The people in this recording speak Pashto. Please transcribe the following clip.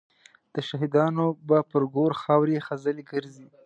د شهیدانو به پر ګور خاوري خزلي ګرځي